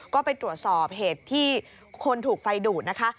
ก็ไปตรวจสอบเหตุที่คนถูกไฟดูดนะคะ